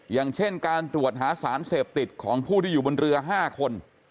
อย่างเช่นการตรวจหาสารเสพติดของผู้ที่อยู่บนเรือ๕คน